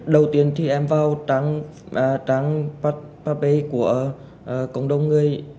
đầu tiên thì em vào trang facebook của cộng đồng